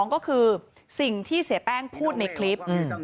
ก็คือสิ่งที่เสียแป้งพูดในคลิป